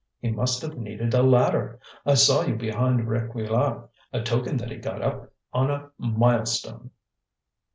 he must have needed a ladder. I saw you behind Réquillart, a token that he got up on a milestone."